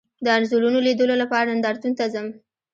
د انځورونو لیدلو لپاره نندارتون ته ځم